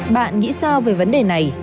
bạn nghĩ sao về vấn đề này